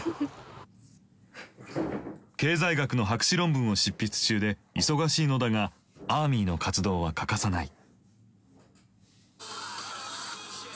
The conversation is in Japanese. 経済学の博士論文を執筆中で忙しいのだがアーミーの活動は欠かさない。